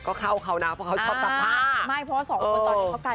ก็เข้าเขานะเพราะเขาชอบสักผ้า